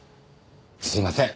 すいません。